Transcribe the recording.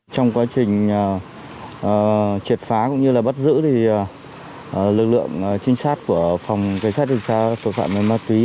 trong quá trình triệt phá cũng như là bắt giữ thì lực lượng trinh sát của phòng cảnh sát điều tra tội phạm về ma túy